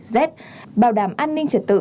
z bảo đảm an ninh trật tự